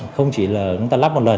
không chỉ là chúng ta lắp một lần